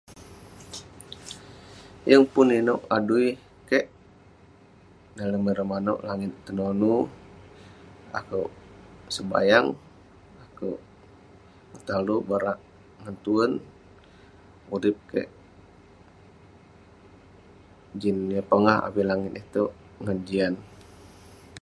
Yeng pun ineuk adui kek, dalem ireh maneuk langit tenonu, akeuk sebayang, akeuk petalo barak ngan tuen, urip kek, jin yah pongah avik langit iteuk ngan jian.